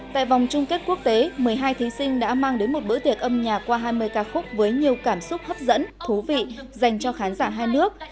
tại vòng chung kết quốc tế một mươi hai thí sinh đã mang đến một bữa tiệc âm nhạc qua hai mươi ca khúc với nhiều cảm xúc hấp dẫn thú vị dành cho khán giả hai nước